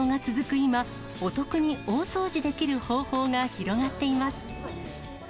今、お得に大掃除できる方法が広がっています。